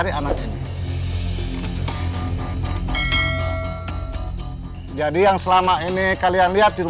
pilih tangan kedou